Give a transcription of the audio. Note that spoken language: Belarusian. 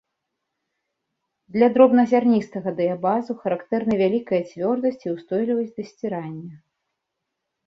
Для дробназярністага дыябазу характэрны вялікая цвёрдасць і ўстойлівасць да сцірання.